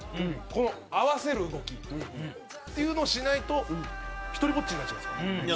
この合わせる動きっていうのをしないと独りぼっちになっちゃいますから。